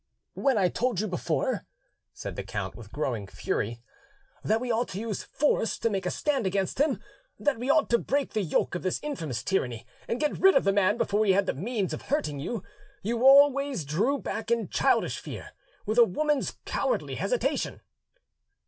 "When I told you before," said the count, with growing fury, "that we ought to use force to make a stand against him, that we ought to break the yoke of this infamous tyranny and get rid of the man before he had the means of hurting you, you always drew back in childish fear, with a woman's cowardly hesitation."